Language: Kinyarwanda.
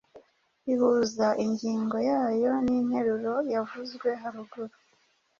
ihuza ingingo yayo ninteruro yavuzwe haruguru